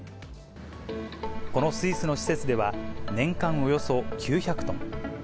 このスイスの施設では、年間およそ９００トン。